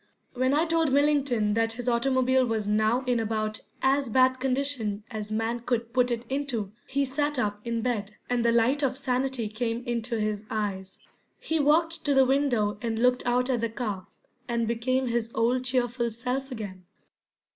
When I told Millington that his automobile was now in about as bad condition as man could put it into, he sat up in bed, and the light of sanity came into his eyes. He walked to the window and looked out at the car, and became his old cheerful self again.